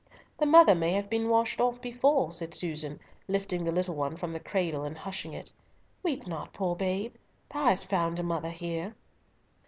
"The mother may have been washed off before," said Susan, lifting the little one from the cradle, and hushing it. "Weep not, poor babe, thou hast found a mother here."